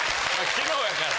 昨日やから。